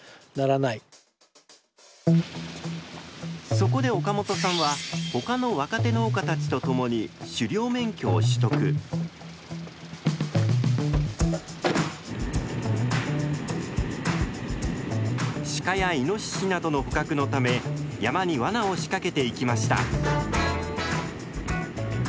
そこで岡本さんは他の若手農家たちと共にシカやイノシシなどの捕獲のため山にワナを仕掛けていきました。